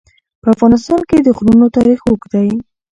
په افغانستان کې د غرونه تاریخ اوږد دی.